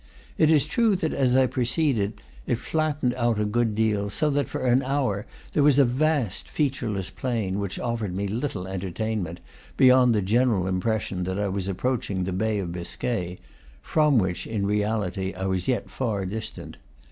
It is true that as I pro ceeded it flattened out a good deal, so that for an hour there was a vast featureless plain, which offered me little entertainment beyond the general impression that I was approaching the Bay of Biscay (from which, in reality, I was yet far distant).